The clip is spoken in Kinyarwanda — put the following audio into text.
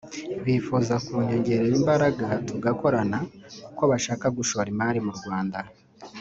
bifuza kunyongerera imbaraga tugakorana kuko bashaka gushora imari mu Rwanda